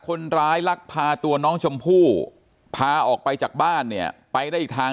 คนร้ายลักษณ์พาตัวน้องชมพู่พาออกไปจากบ้านเนี่ยไปได้ทาง